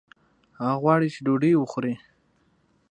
هغه غواړي چې ډوډۍ وخوړي